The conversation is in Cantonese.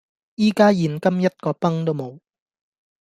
依家現金一個鏰都冇